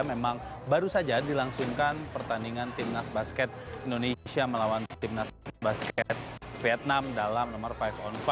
memang baru saja dilangsungkan pertandingan timnas basket indonesia melawan timnas basket vietnam dalam nomor lima on empat